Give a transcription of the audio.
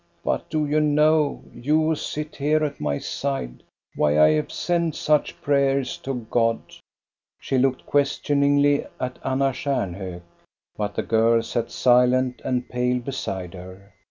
But do you know, you who sit here at my side, why I have sent such prayers to God? " She looked questioningly at Anna Stjarnhok ; but the girl sat silent and pale beside her.